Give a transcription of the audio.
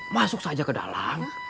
masuk saja ke dalam